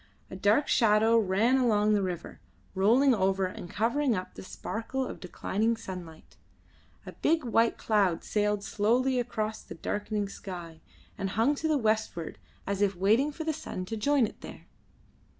A dark shadow ran along the river, rolling over and covering up the sparkle of declining sunlight. A big white cloud sailed slowly across the darkening sky, and hung to the westward as if waiting for the sun to join it there.